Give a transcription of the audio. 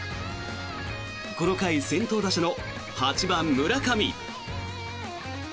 この回、先頭打者の８番、村上。